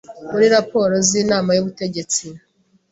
muri raporo z Inama y ubutegetsi